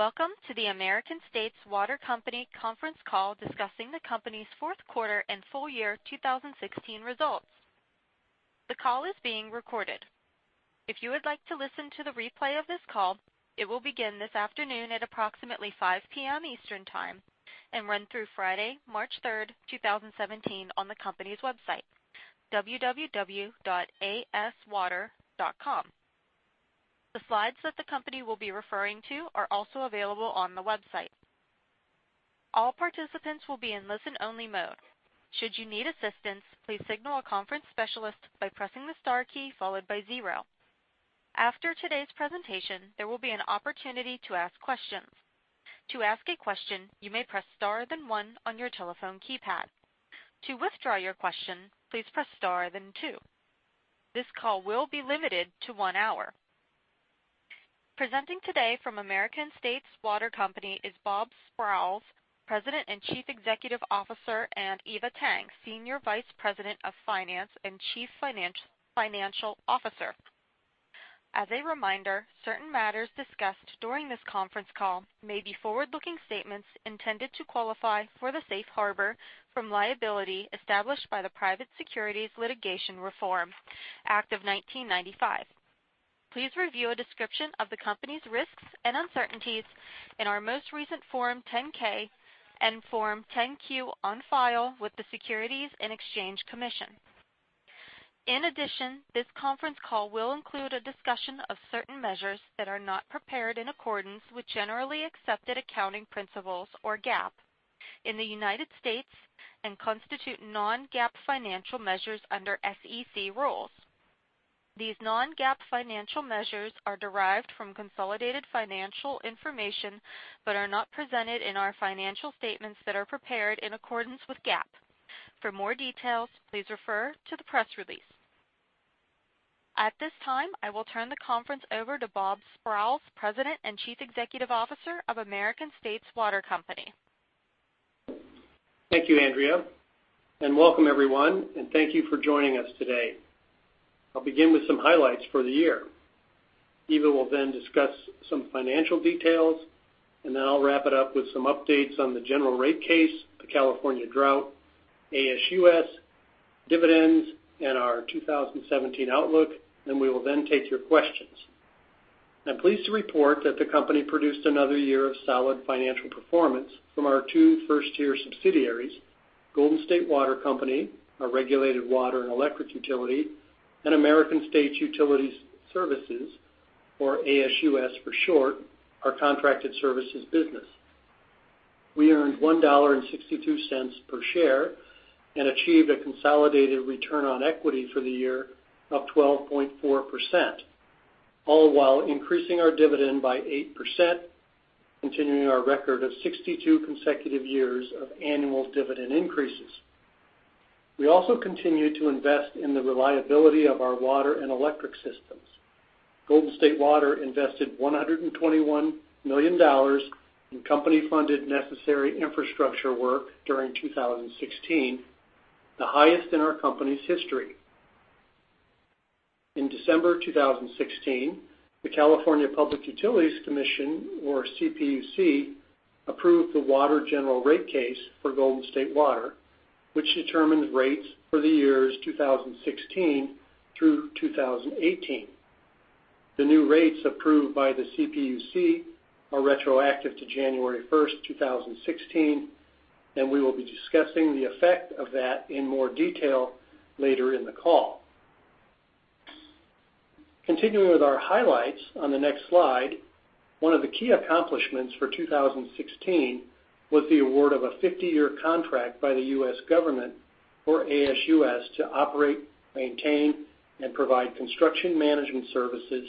Welcome to the American States Water Company conference call discussing the company's fourth quarter and full year 2016 results. The call is being recorded. If you would like to listen to the replay of this call, it will begin this afternoon at approximately 5:00 P.M. Eastern Time and run through Friday, March 3, 2017, on the company's website, www.aswater.com. The slides that the company will be referring to are also available on the website. All participants will be in listen only mode. Should you need assistance, please signal a conference specialist by pressing the star key followed by zero. After today's presentation, there will be an opportunity to ask questions. To ask a question, you may press star, then one on your telephone keypad. To withdraw your question, please press star, then two. This call will be limited to one hour. Presenting today from American States Water Company is Bob Sprowls, President and Chief Executive Officer, and Eva Tang, Senior Vice President of Finance and Chief Financial Officer. As a reminder, certain matters discussed during this conference call may be forward-looking statements intended to qualify for the safe harbor from liability established by the Private Securities Litigation Reform Act of 1995. Please review a description of the company's risks and uncertainties in our most recent Form 10-K and Form 10-Q on file with the Securities and Exchange Commission. In addition, this conference call will include a discussion of certain measures that are not prepared in accordance with generally accepted accounting principles, or GAAP, in the United States and constitute non-GAAP financial measures under SEC rules. These non-GAAP financial measures are derived from consolidated financial information but are not presented in our financial statements that are prepared in accordance with GAAP. For more details, please refer to the press release. At this time, I will turn the conference over to Bob Sprowls, President and Chief Executive Officer of American States Water Company. Thank you, Andrea, and welcome everyone, and thank you for joining us today. I'll begin with some highlights for the year. Eva will then discuss some financial details, and then I'll wrap it up with some updates on the general rate case, the California drought, ASUS, dividends, and our 2017 outlook. We will then take your questions. I'm pleased to report that the company produced another year of solid financial performance from our two first-tier subsidiaries, Golden State Water Company, our regulated water and electric utility, and American States Utility Services, or ASUS for short, our contracted services business. We earned $1.62 per share and achieved a consolidated return on equity for the year of 12.4%, all while increasing our dividend by 8%, continuing our record of 62 consecutive years of annual dividend increases. We also continue to invest in the reliability of our water and electric systems. Golden State Water invested $121 million in company-funded necessary infrastructure work during 2016, the highest in our company's history. In December 2016, the California Public Utilities Commission, or CPUC, approved the water general rate case for Golden State Water, which determines rates for the years 2016 through 2018. The new rates approved by the CPUC are retroactive to January 1st, 2016, and we will be discussing the effect of that in more detail later in the call. Continuing with our highlights on the next slide, one of the key accomplishments for 2016 was the award of a 50-year contract by the U.S. government for ASUS to operate, maintain, and provide construction management services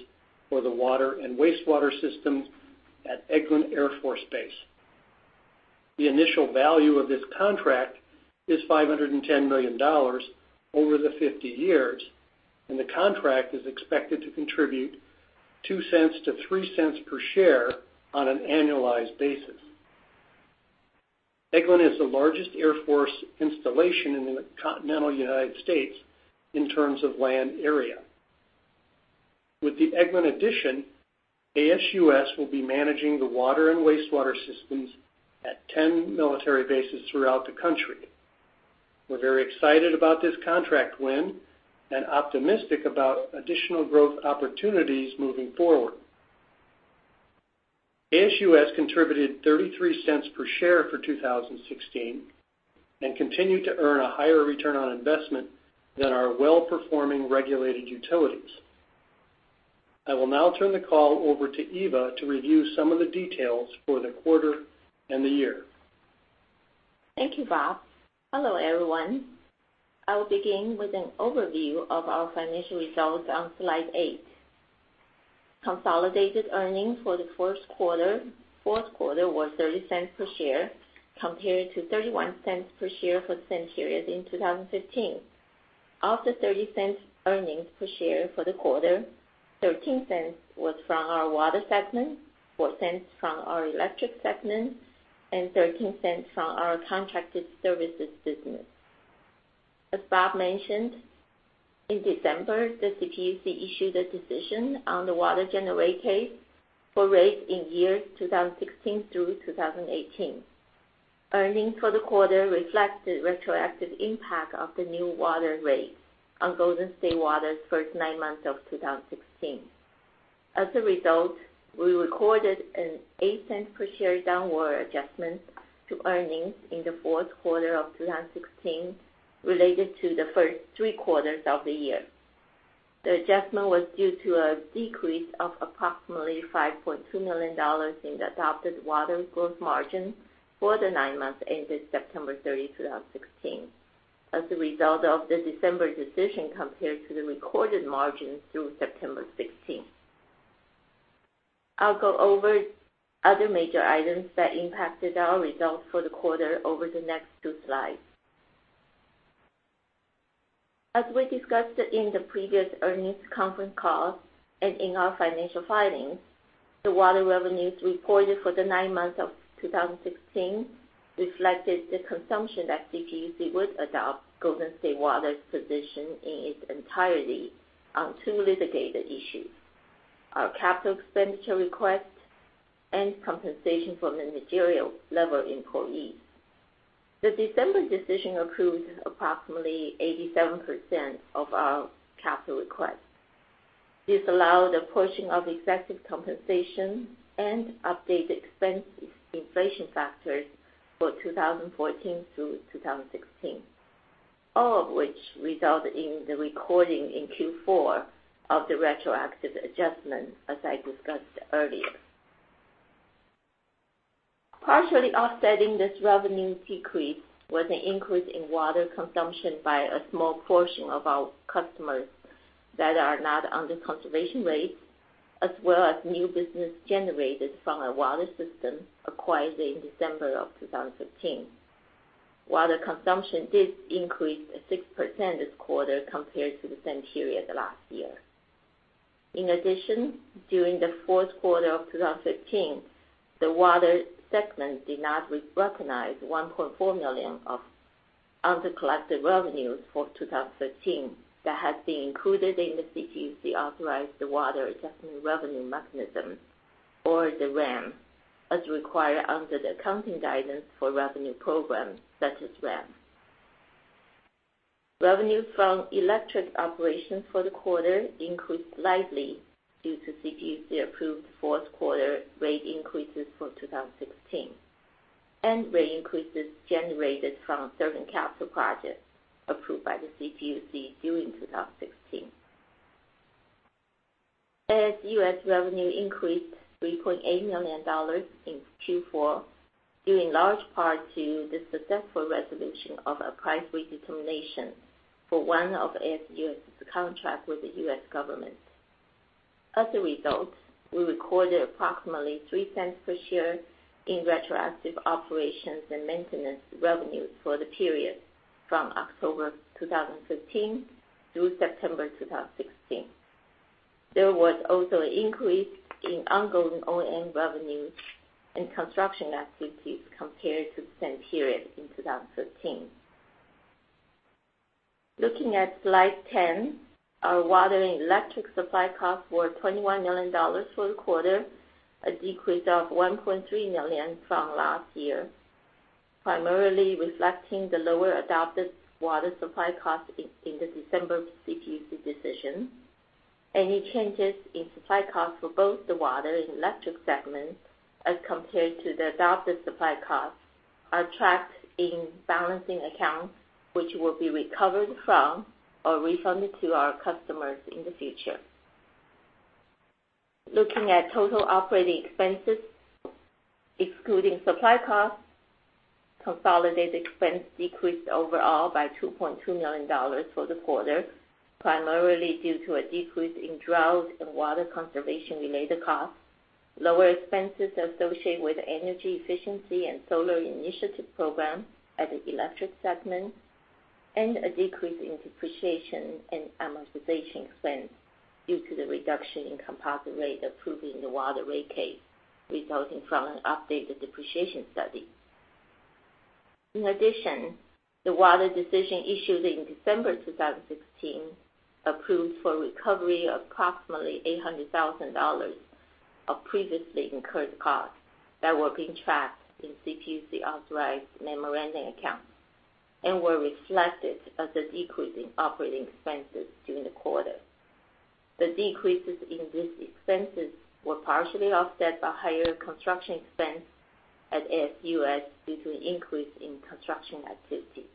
for the water and wastewater systems at Eglin Air Force Base. The initial value of this contract is $510 million over the 50 years, and the contract is expected to contribute $0.02-$0.03 per share on an annualized basis. Eglin is the largest Air Force installation in the continental U.S. in terms of land area. With the Eglin addition, ASUS will be managing the water and wastewater systems at 10 military bases throughout the country. We are very excited about this contract win and optimistic about additional growth opportunities moving forward. ASUS contributed $0.33 per share for 2016 and continued to earn a higher return on investment than our well-performing regulated utilities. I will now turn the call over to Eva to review some of the details for the quarter and the year. Thank you, Bob. Hello, everyone. I will begin with an overview of our financial results on slide eight. Consolidated earnings for the fourth quarter was $0.03 per share, compared to $0.31 per share for the same period in 2015. Of the $0.03 earnings per share for the quarter, $0.13 was from our water segment, $0.04 from our electric segment, and $0.13 from our contracted services business. As Bob mentioned, in December, the CPUC issued a decision on the water general rate case for rates in years 2016 through 2018. Earnings for the quarter reflect the retroactive impact of the new water rates on Golden State Water's first nine months of 2016. As a result, we recorded an $0.08 per share downward adjustment to earnings in the fourth quarter of 2016 related to the first three quarters of the year. The adjustment was due to a decrease of approximately $5.2 million in the adopted water gross margin for the nine months ended September 30, 2016, as a result of the December decision compared to the recorded margins through September 2016. I will go over other major items that impacted our results for the quarter over the next two slides. As we discussed in the previous earnings conference call and in our financial filings, the water revenues reported for the nine months of 2016 reflected the consumption that CPUC would adopt Golden State Water's position in its entirety on two litigated issues: our capital expenditure request and compensation for managerial level employees. The December decision approved approximately 87% of our capital request. This allowed the portion of executive compensation and updated expense inflation factors for 2014 through 2016, all of which resulted in the recording in Q4 of the retroactive adjustment, as I discussed earlier. Partially offsetting this revenue decrease was an increase in water consumption by a small portion of our customers that are not under conservation rates, as well as new business generated from our water system acquired in December of 2015. Water consumption did increase 6% this quarter compared to the same period last year. In addition, during the fourth quarter of 2015, the water segment did not recognize $1.4 million of under-collected revenues for 2015 that had been included in the CPUC authorized Water Revenue Adjustment Mechanism, or the WRAM, as required under the accounting guidance for revenue programs such as WRAM. Revenue from electric operations for the quarter increased slightly due to CPUC-approved fourth quarter rate increases for 2016 and rate increases generated from certain capital projects approved by the CPUC during 2016. ASUS revenue increased $3.8 million in Q4, due in large part to the successful resolution of a price redetermination for one of ASUS's contracts with the U.S. government. As a result, we recorded approximately $0.03 per share in retroactive operations and maintenance revenues for the period from October 2015 through September 2016. There was also an increase in ongoing O&M revenue and construction activities compared to the same period in 2015. Looking at slide 10, our water and electric supply costs were $21 million for the quarter, a decrease of $1.3 million from last year, primarily reflecting the lower adopted water supply costs in the December CPUC decision. Any changes in supply costs for both the water and electric segments as compared to the adopted supply costs are tracked in balancing accounts, which will be recovered from or refunded to our customers in the future. Looking at total operating expenses, excluding supply costs, consolidated expense decreased overall by $2.2 million for the quarter, primarily due to a decrease in drought and water conservation-related costs, lower expenses associated with energy efficiency and solar initiative program at the electric segment, and a decrease in depreciation and amortization expense due to the reduction in composite rate approving the water rate case resulting from an updated depreciation study. In addition, the water decision issued in December 2016 approved for recovery approximately $800,000 of previously incurred costs that were being tracked in CPUC-authorized memorandum accounts and were reflected as a decrease in operating expenses during the quarter. The decreases in these expenses were partially offset by higher construction expense at ASUS due to an increase in construction activity.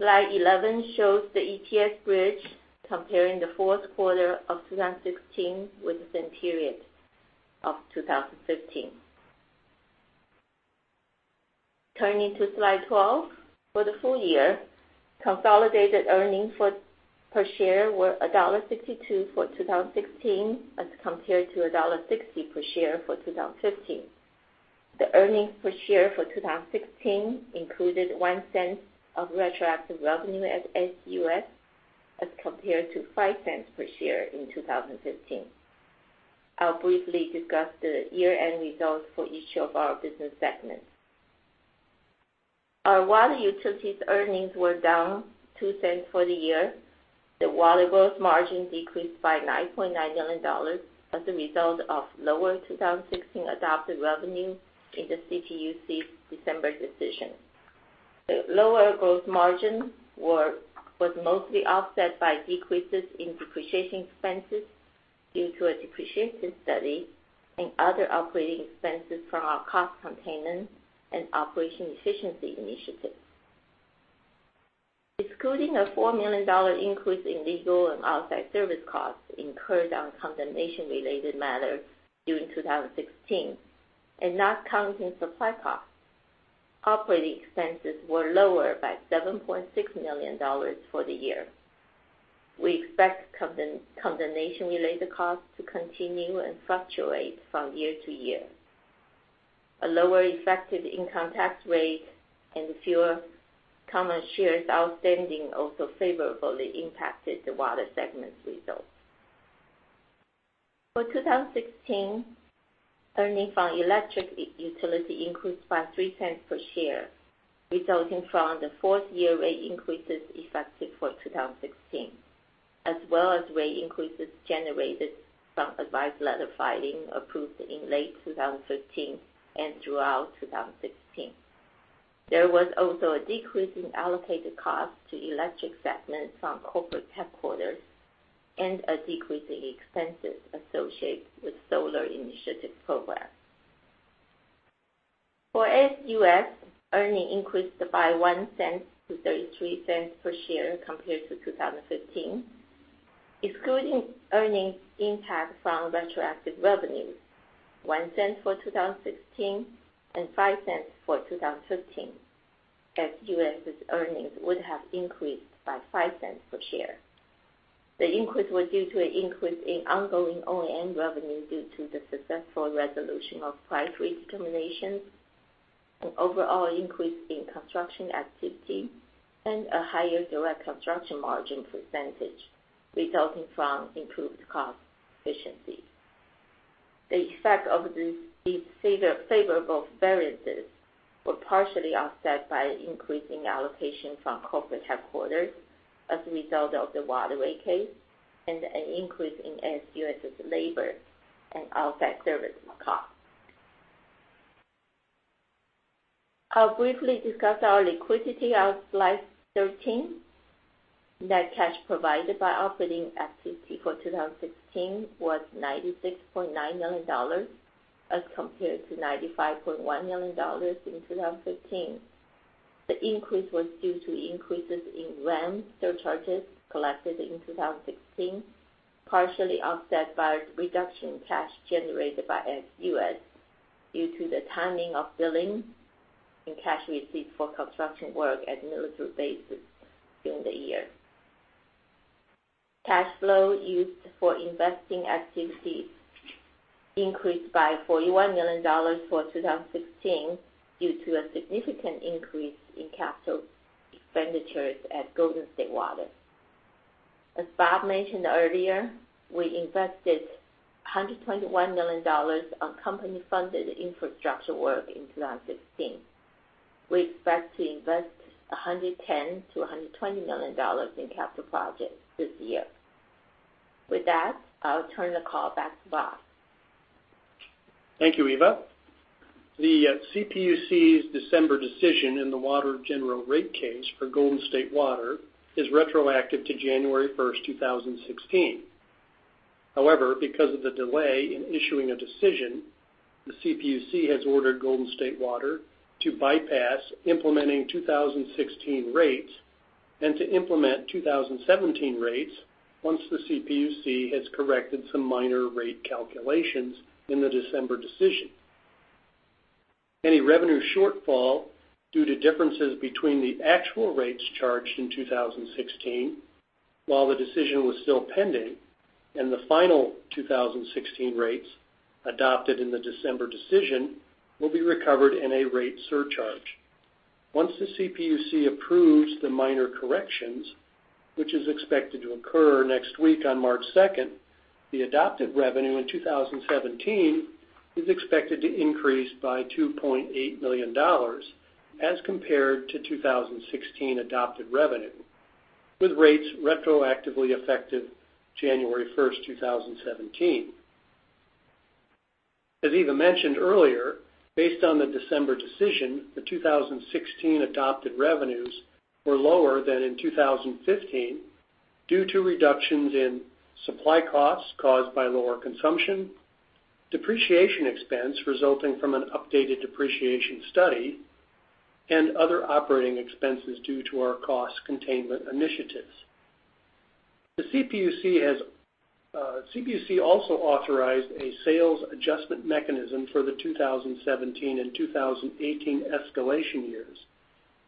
Slide 11 shows the EPS bridge comparing the fourth quarter of 2016 with the same period of 2015. Turning to slide 12, for the full year, consolidated earnings per share were $1.62 for 2016 as compared to $1.60 per share for 2015. The earnings per share for 2016 included $0.01 of retroactive revenue at ASUS as compared to $0.05 per share in 2015. I'll briefly discuss the year-end results for each of our business segments. Our water utilities earnings were down $0.02 for the year. The water gross margin decreased by $9.9 million as a result of lower 2016 adopted revenue in the CPUC December decision. The lower growth margin was mostly offset by decreases in depreciation expenses due to a depreciation study and other operating expenses from our cost containment and operation efficiency initiatives. Excluding a $4 million increase in legal and outside service costs incurred on condemnation-related matters during 2016 and not counting supply costs, operating expenses were lower by $7.6 million for the year. We expect condemnation-related costs to continue and fluctuate from year to year. A lower effective income tax rate and fewer common shares outstanding also favorably impacted the water segment's results. For 2016, earnings from electric utility increased by $0.03 per share, resulting from the fourth-year rate increases effective for 2016, as well as rate increases generated from advice letter filing approved in late 2015 and throughout 2016. There was also a decrease in allocated costs to electric segments from corporate headquarters and a decrease in expenses associated with solar initiative programs. For ASUS, earnings increased by $0.01 to $0.33 per share compared to 2015. Excluding earnings impact from retroactive revenues, $0.01 for 2016 and $0.05 for 2015, ASUS' earnings would have increased by $0.05 per share. The increase was due to an increase in ongoing O&M revenue due to the successful resolution of price redeterminations, an overall increase in construction activity, and a higher direct construction margin percentage, resulting from improved cost efficiency. The effect of these favorable variances were partially offset by increasing allocation from corporate headquarters as a result of the water rate case and an increase in ASUS' labor and outside service costs. I'll briefly discuss our liquidity on slide 13. Net cash provided by operating activity for 2016 was $96.9 million as compared to $95.1 million in 2015. The increase was due to increases in WRAM surcharges collected in 2016, partially offset by a reduction in cash generated by ASUS due to the timing of billing and cash receipts for construction work at military bases during the year. Cash flow used for investing activity increased by $41 million for 2016 due to a significant increase in capital expenditures at Golden State Water. As Bob mentioned earlier, we invested $121 million on company-funded infrastructure work in 2016. We expect to invest $110 million-$120 million in capital projects this year. With that, I'll turn the call back to Bob. Thank you, Eva. The CPUC's December decision in the water general rate case for Golden State Water is retroactive to January 1st, 2016. However, because of the delay in issuing a decision, the CPUC has ordered Golden State Water to bypass implementing 2016 rates and to implement 2017 rates once the CPUC has corrected some minor rate calculations in the December decision. Any revenue shortfall due to differences between the actual rates charged in 2016 while the decision was still pending and the final 2016 rates adopted in the December decision will be recovered in a rate surcharge. Once the CPUC approves the minor corrections, which is expected to occur next week on March 2nd, the adopted revenue in 2017 is expected to increase by $2.8 million as compared to 2016 adopted revenue, with rates retroactively effective January 1st, 2017. As Eva mentioned earlier, based on the December decision, the 2016 adopted revenues were lower than in 2015 due to reductions in supply costs caused by lower consumption, depreciation expense resulting from an updated depreciation study, and other operating expenses due to our cost containment initiatives. The CPUC also authorized a sales adjustment mechanism for the 2017 and 2018 escalation years,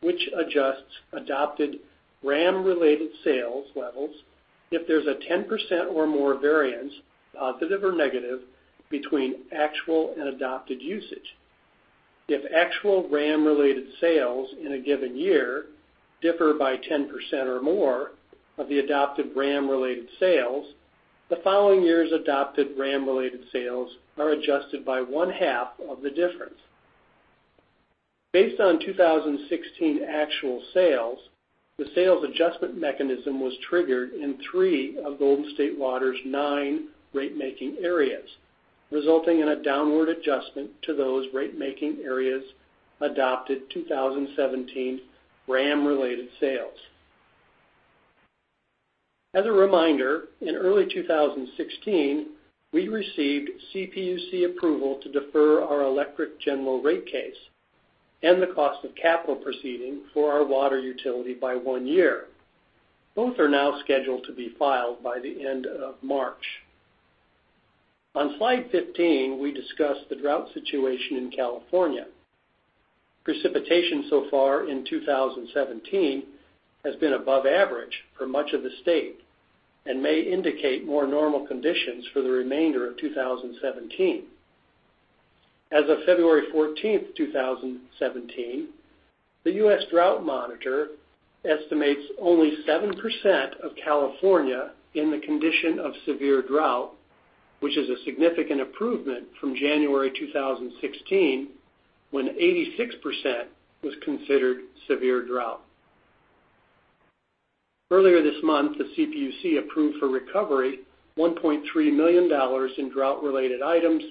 which adjusts adopted WRAM-related sales levels if there's a 10% or more variance, positive or negative, between actual and adopted usage. If actual WRAM-related sales in a given year differ by 10% or more of the adopted WRAM-related sales, the following year's adopted WRAM-related sales are adjusted by one-half of the difference. Based on 2016 actual sales, the sales adjustment mechanism was triggered in three of Golden State Water's nine rate-making areas, resulting in a downward adjustment to those rate-making areas' adopted 2017 WRAM-related sales. As a reminder, in early 2016, we received CPUC approval to defer our electric general rate case and the cost of capital proceeding for our water utility by one year. Both are now scheduled to be filed by the end of March. On slide 15, we discuss the drought situation in California. Precipitation so far in 2017 has been above average for much of the state and may indicate more normal conditions for the remainder of 2017. As of February 14th, 2017, the U.S. Drought Monitor estimates only 7% of California in the condition of severe drought, which is a significant improvement from January 2016, when 86% was considered severe drought. Earlier this month, the CPUC approved for recovery $1.3 million in drought-related items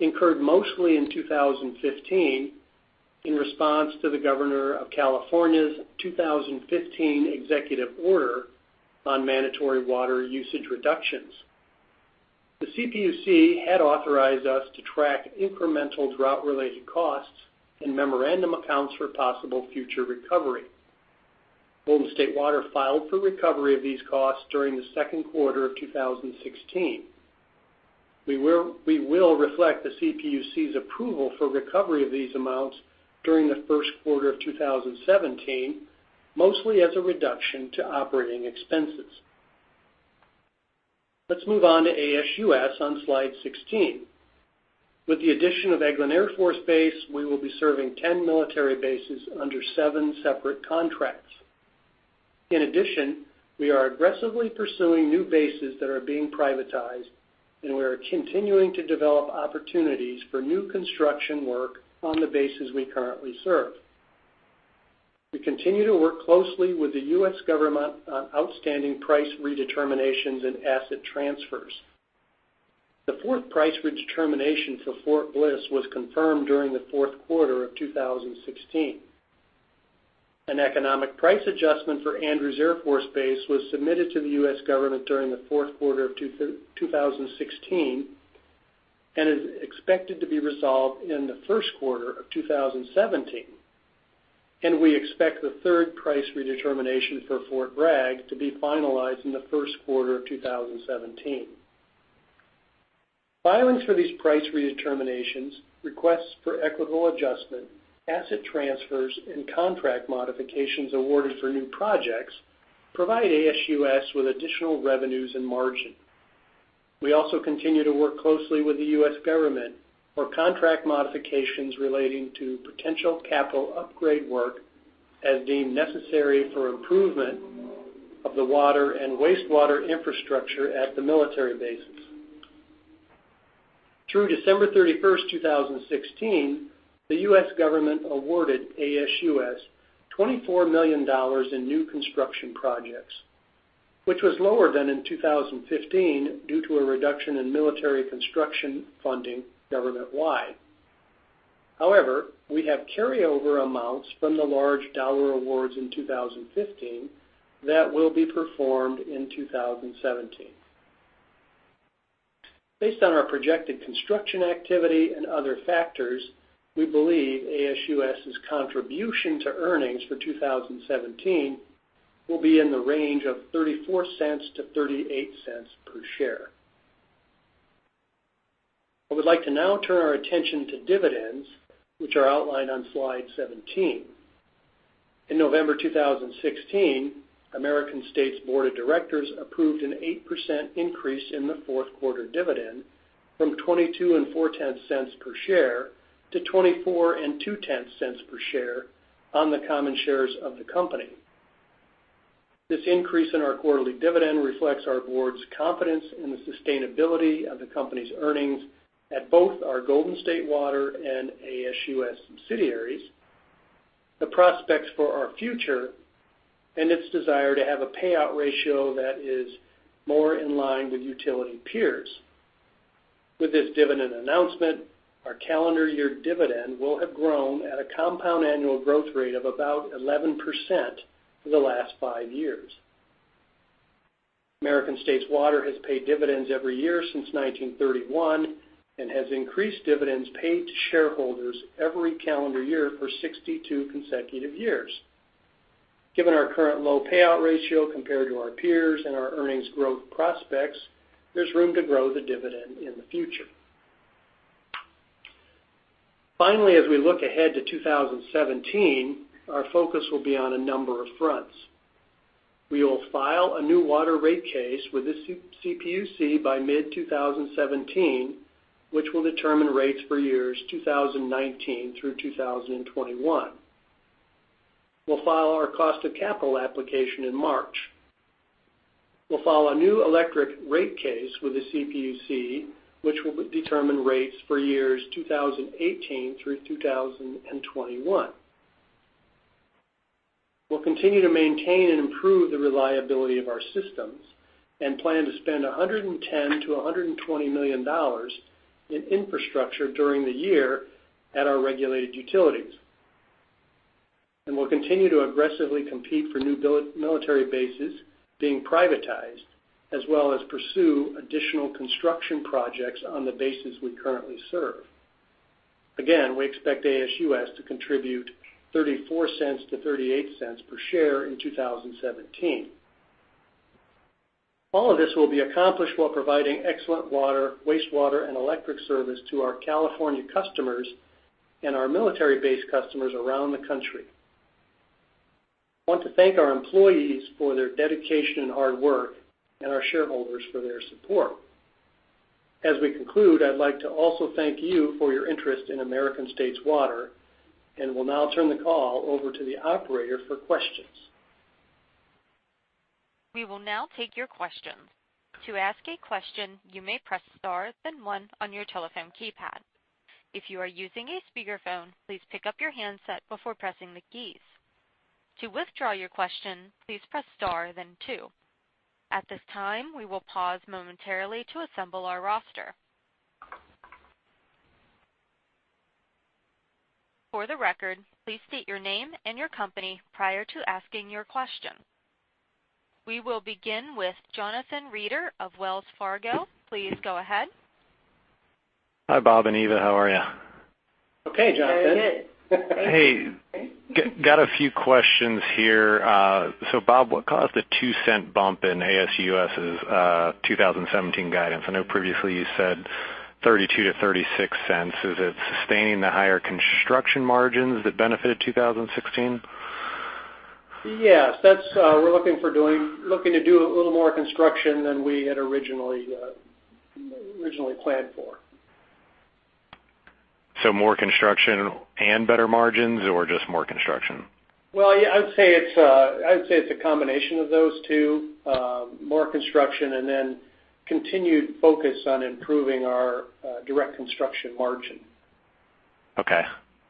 incurred mostly in 2015 in response to the Governor of California's 2015 executive order on mandatory water usage reductions. The CPUC had authorized us to track incremental drought-related costs in memorandum accounts for possible future recovery. Golden State Water filed for recovery of these costs during the second quarter of 2016. We will reflect the CPUC's approval for recovery of these amounts during the first quarter of 2017, mostly as a reduction to operating expenses. Let's move on to ASUS on slide 16. With the addition of Eglin Air Force Base, we will be serving 10 military bases under seven separate contracts. In addition, we are aggressively pursuing new bases that are being privatized, and we are continuing to develop opportunities for new construction work on the bases we currently serve. We continue to work closely with the U.S. government on outstanding price redeterminations and asset transfers. The fourth price redetermination for Fort Bliss was confirmed during the fourth quarter of 2016. An economic price adjustment for Andrews Air Force Base was submitted to the U.S. government during the fourth quarter of 2016, and is expected to be resolved in the first quarter of 2017. We expect the third price redetermination for Fort Bragg to be finalized in the first quarter of 2017. Filings for these price redeterminations, requests for equitable adjustment, asset transfers, and contract modifications awarded for new projects provide ASUS with additional revenues and margin. We also continue to work closely with the U.S. government for contract modifications relating to potential capital upgrade work as deemed necessary for improvement of the water and wastewater infrastructure at the military bases. Through December 31st, 2016, the U.S. government awarded ASUS $24 million in new construction projects, which was lower than in 2015 due to a reduction in military construction funding government-wide. However, we have carryover amounts from the large dollar awards in 2015 that will be performed in 2017. Based on our projected construction activity and other factors, we believe ASUS' contribution to earnings for 2017 will be in the range of $0.34-$0.38 per share. I would like to now turn our attention to dividends, which are outlined on slide 17. In November 2016, American States' board of directors approved an 8% increase in the fourth-quarter dividend from $0.224 per share to $0.242 per share on the common shares of the company. This increase in our quarterly dividend reflects our board's confidence in the sustainability of the company's earnings at both our Golden State Water and ASUS subsidiaries, the prospects for our future, and its desire to have a payout ratio that is more in line with utility peers. With this dividend announcement, our calendar year dividend will have grown at a compound annual growth rate of about 11% for the last five years. American States Water has paid dividends every year since 1931 and has increased dividends paid to shareholders every calendar year for 62 consecutive years. Given our current low payout ratio compared to our peers and our earnings growth prospects, there's room to grow the dividend in the future. Finally, as we look ahead to 2017, our focus will be on a number of fronts. We will file a new water rate case with the CPUC by mid-2017, which will determine rates for years 2019 through 2021. We'll file our cost of capital application in March. We'll file a new electric rate case with the CPUC, which will determine rates for years 2018 through 2021. We'll continue to maintain and improve the reliability of our systems and plan to spend $110 million-$120 million in infrastructure during the year at our regulated utilities. We'll continue to aggressively compete for new military bases being privatized, as well as pursue additional construction projects on the bases we currently serve. Again, we expect ASUS to contribute $0.34-$0.38 per share in 2017. All of this will be accomplished while providing excellent water, wastewater, and electric service to our California customers and our military base customers around the country. I want to thank our employees for their dedication and hard work, and our shareholders for their support. As we conclude, I'd like to also thank you for your interest in American States Water, and will now turn the call over to the operator for questions. We will now take your questions. To ask a question, you may press star then one on your telephone keypad. If you are using a speakerphone, please pick up your handset before pressing the keys. To withdraw your question, please press star then two. At this time, we will pause momentarily to assemble our roster. For the record, please state your name and your company prior to asking your question. We will begin with Jonathan Reeder of Wells Fargo. Please go ahead. Hi, Bob and Eva. How are you? Okay, Jonathan. Very good. Thank you. Hey. Got a few questions here. Bob, what caused the $0.02 bump in ASUS's 2017 guidance? I know previously you said $0.32 to $0.36. Is it sustaining the higher construction margins that benefited 2016? Yes. We're looking to do a little more construction than we had originally planned for. More construction and better margins, or just more construction? Well, I'd say it's a combination of those two. More construction and then continued focus on improving our direct construction margin. Okay.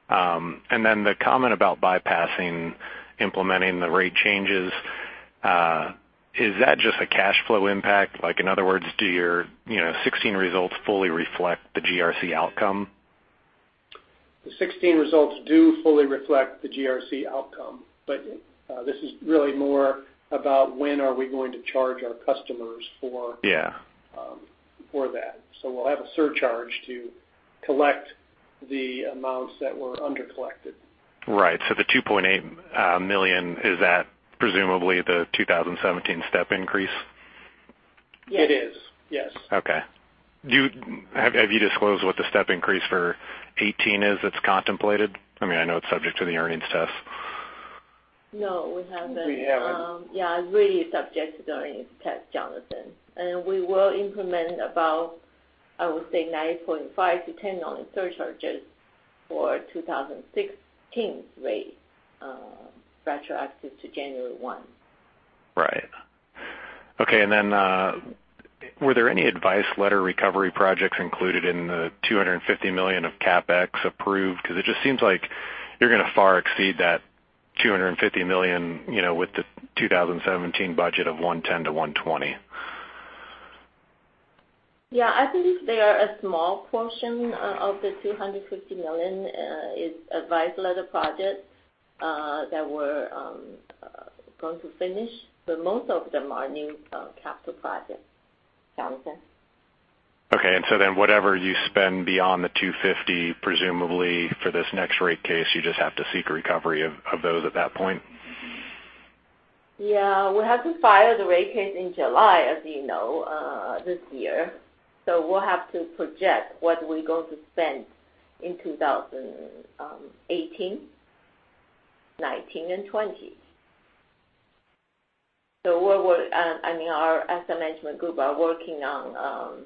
The comment about bypassing implementing the rate changes, is that just a cash flow impact? In other words, do your 2016 results fully reflect the GRC outcome? The 2016 results do fully reflect the GRC outcome. This is really more about when are we going to charge our customers for- Yeah for that. We'll have a surcharge to collect the amounts that were under-collected. Right. The $2.8 million, is that presumably the 2017 step increase? It is, yes. Okay. Have you disclosed what the step increase for 2018 is that's contemplated? I know it's subject to the earnings test. No, we haven't. We haven't. Yeah, it's really subject to the earnings test, Jonathan. We will implement about, I would say, 9.5%-10% on surcharges for 2016 rate, retroactive to January 1. Right. Okay. Were there any advice letter recovery projects included in the $250 million of CapEx approved? Because it just seems like you're going to far exceed that $250 million, with the 2017 budget of $110 million-$120 million. Yeah, I think they are a small portion of the $250 million, is advice letter projects that we're going to finish. Most of them are new capital projects, Jonathan. Okay. Whatever you spend beyond the $250 million, presumably for this next rate case, you just have to seek recovery of those at that point? Yeah. We have to file the rate case in July, as you know, this year. We'll have to project what we're going to spend in 2018, 2019, and 2020. Our asset management group are working on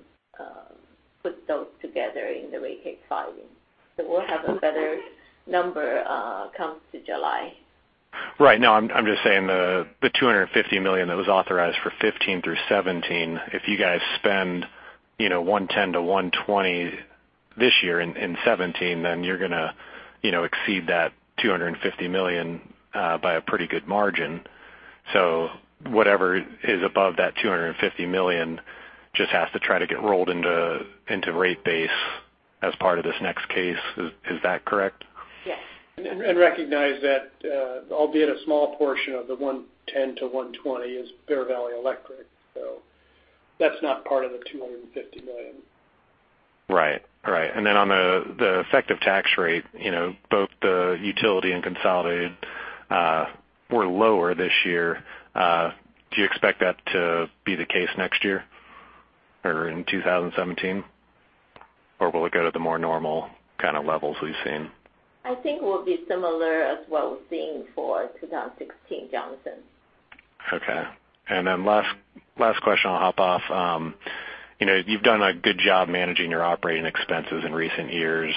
put those together in the rate case filing. We'll have a better number come to July. Right. No, I'm just saying the $250 million that was authorized for 2015 through 2017, if you guys spend $110 million-$120 million this year in 2017, you're going to exceed that $250 million by a pretty good margin. Whatever is above that $250 million just has to try to get rolled into rate base as part of this next case. Is that correct? Yes. Recognize that albeit a small portion of the $110 million-$120 million is Bear Valley Electric, that's not part of the $250 million. Right. On the effective tax rate, both the utility and consolidated were lower this year. Do you expect that to be the case next year or in 2017? Will it go to the more normal kind of levels we've seen? I think it will be similar as what we're seeing for 2016, Jonathan. Last question, I'll hop off. You've done a good job managing your operating expenses in recent years.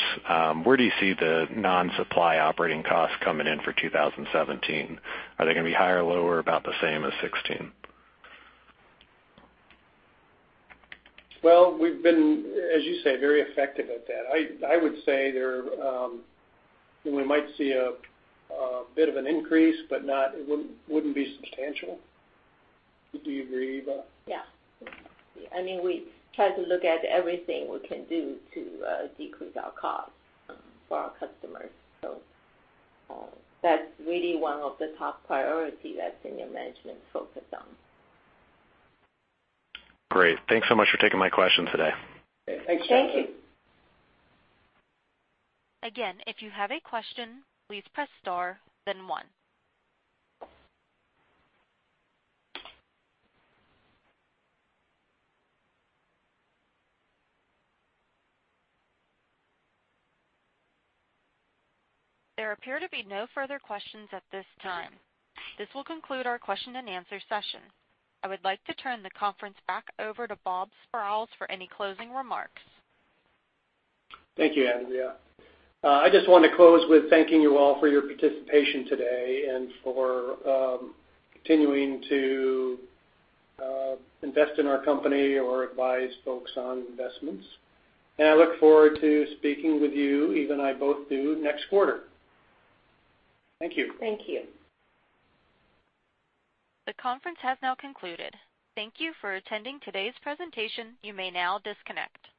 Where do you see the non-supply operating costs coming in for 2017? Are they going to be higher, lower, about the same as 2016? Well, we've been, as you say, very effective at that. I would say we might see a bit of an increase, but it wouldn't be substantial. Would you agree, Eva? Yeah. We try to look at everything we can do to decrease our costs for our customers. That's really one of the top priority that senior management's focused on. Great. Thanks so much for taking my questions today. Thanks, Jonathan. Thank you. If you have a question, please press star then one. There appear to be no further questions at this time. This will conclude our question and answer session. I would like to turn the conference back over to Bob Sprowls for any closing remarks. Thank you, Andrea. I just want to close with thanking you all for your participation today and for continuing to invest in our company or advise folks on investments. I look forward to speaking with you, Eva and I both do, next quarter. Thank you. Thank you. The conference has now concluded. Thank you for attending today's presentation. You may now disconnect.